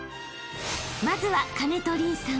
［まずは金戸凜さん。